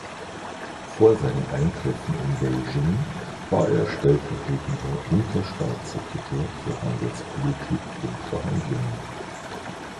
Vor seinem Eintreffen in Beijing war er stellvertretender Unterstaatssekretär für Handelspolitik und Verhandlungen.